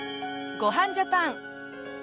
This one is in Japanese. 『ごはんジャパン』。